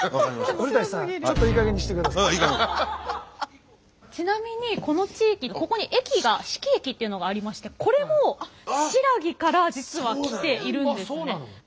古さんちなみにこの地域ここに駅が志木駅っていうのがありましてこれも新羅から実は来ているんですね。